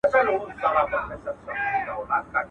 زه وېرېږم خپل قسمت به مي رقیب سي.